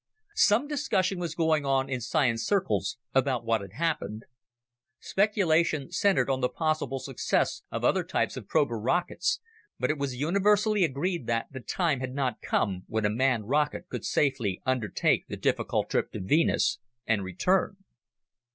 Some discussion was going on in science circles about what had happened. Speculation centered on the possible success of other types of prober rockets, but it was universally agreed that the time had not come when a manned rocket could safely undertake the difficult trip to Venus and return.